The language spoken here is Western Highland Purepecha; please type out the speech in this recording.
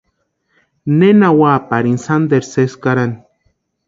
Nena úa parini sánteru sési karani.